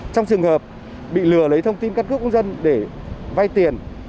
trong trường hợp bị lừa lấy thông tin căn cước công dân để vay tiền